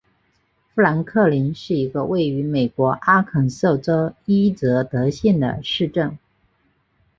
富兰克林是一个位于美国阿肯色州伊泽德县的市镇。